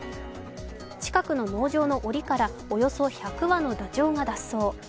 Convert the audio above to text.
近くの農場のおりからおよそ１００羽のダチョウが脱走。